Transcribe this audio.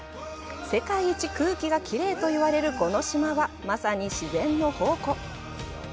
世界一空気がきれいといわれるこの島はまさに自然の宝庫。